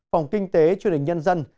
phòng kinh tế truyền hình nhân dân